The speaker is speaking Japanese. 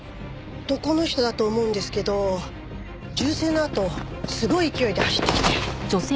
男の人だと思うんですけど銃声のあとすごい勢いで走ってきて。